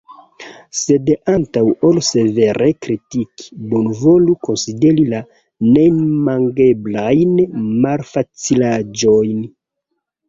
Sed antaŭ ol severe kritiki, bonvolu konsideri la neimageblajn malfacilaĵojn.